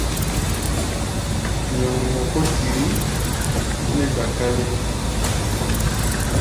Nyɔŋmɔ kó diri nɛ́ gba-kálé.